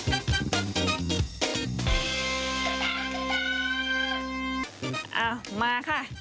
เอามาค่ะ